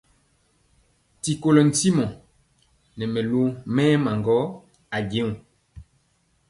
D@Ti kolɔ ntimɔ nɛ mɛlu mɛɛma gɔ ajeŋg.